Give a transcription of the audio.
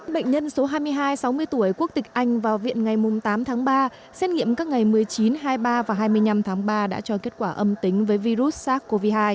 bệnh nhân số hai mươi hai sáu mươi tuổi quốc tịch anh vào viện ngày tám tháng ba xét nghiệm các ngày một mươi chín hai mươi ba và hai mươi năm tháng ba đã cho kết quả âm tính với virus sars cov hai